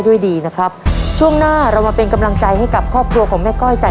ด้วยดีนะครับช่วงหน้าเรามาเป็นกำลังใจให้กับครอบครัวของแม่ก้อยจาก